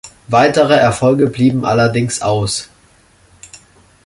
Weitere Erfolge blieben allerdings aus.